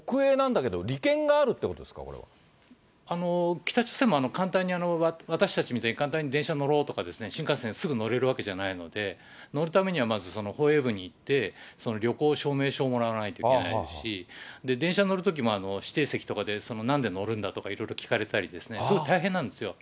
北朝鮮も簡単に、私たちみたいに簡単に電車に乗ろうとか、新幹線すぐ乗れるわけじゃないので、乗るためには、まず、ほえい部に行って、その旅行証明書をもらわないといけないですし、電車乗るときも、指定席とかで、なんで乗るんだとかいろいろ聞かれたりですね、すごく大変なんですよ。